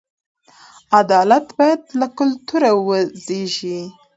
عدالت باید له کلتوره وزېږي.